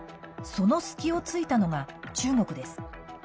その隙を突いたのが中国です。